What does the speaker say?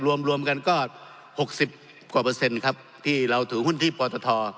รวมรวมกันก็๖๐กว่าเปอร์เซ็นต์ครับที่เราถือหุ้นที่ปตท